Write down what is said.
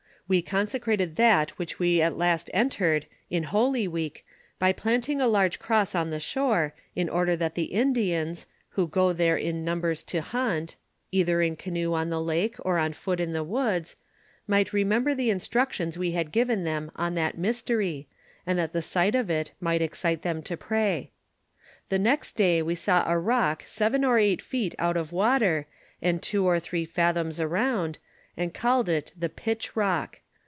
'ilV"e consecrated that which we at last entered in holy week by planting a large cross on the shore, in order that the Indians, who go there in nuinbera to hunt — either in canoes on the lake, or on foot in the woods — might remember the instruc tions we had given them on that mystery, and that the sight of it might excite them to pray. The next day we saw a rock seven or eight fket out of water, and two or three fathoms around, and called it the Pitch rock.